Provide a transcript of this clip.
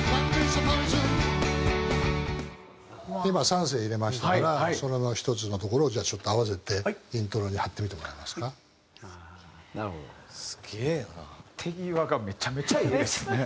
今３声入れましたからそれの１つのところをじゃあちょっと合わせてイントロに貼ってみてもらえますか？